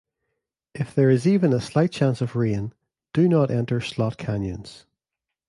If there is even a slight chance of rain, do not enter slot canyons.